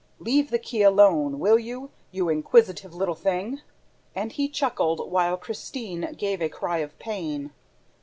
... Leave the key alone, will you, you inquisitive little thing?" And he chuckled, while Christine gave a cry of pain.